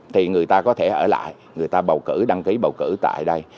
thì người ta có thể ở lại người ta bầu cử đăng ký bầu cử tại đây